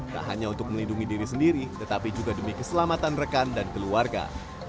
tak hanya untuk melindungi diri sendiri tetapi juga demi keselamatan rekan dan keluarga